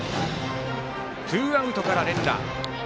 ツーアウトから連打。